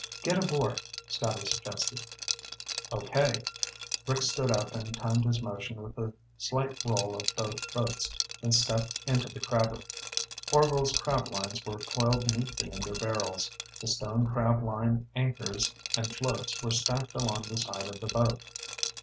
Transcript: "Get aboard," Scotty suggested. "Okay." Rick stood up and timed his motion with the slight roll of both boats, then stepped into the crabber. Orvil's crab lines were coiled neatly in their barrels, the stone crab line anchors and floats were stacked along the side of the boat.